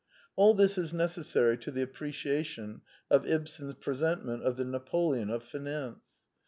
All this is necessary to the appreciation of Ibsen's presentment of the Napoleon of finance.